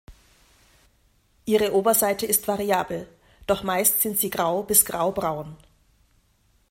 Ihre Oberseite ist variabel, doch meist sind sie grau bis graubraun.